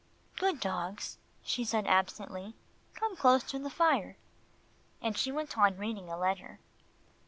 "Good dogs," she said absently, "come close to the fire," and she went on reading a letter.